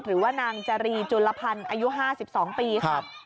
หรือว่านางจารีจุลภัณฑ์อายุ๕๒ปีครับ